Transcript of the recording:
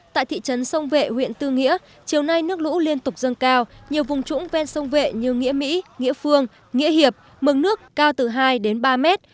tại thị trấn sông vệ huyện tư nghĩa chiều nay nước lũ liên tục dâng cao nhiều vùng trũng ven sông vệ như nghĩa mỹ nghĩa phương nghĩa hiệp nước cao từ hai đến ba mét